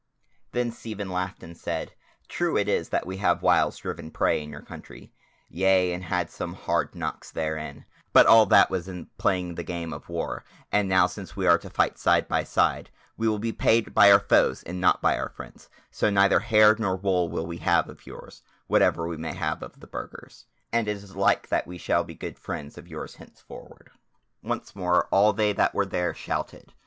Then Stephen laughed and said: "True it is that we have whiles driven prey in your country, yea, and had some hard knocks therein; but all that was in playing the game of war, and now since we are to fight side by side, we will be paid by our foes and not by our friends; so neither hair nor wool will we have of yours, whatever we may have of the Burgers; and it is like that we shall be good friends of yours hence forward." Once more all they that were there shouted.